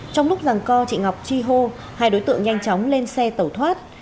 trong lúc rằng co chị ngọc chi hô hai đối tượng nhanh chóng lên xe tẩu thoát